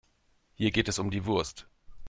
Hier geht es um die Wurst.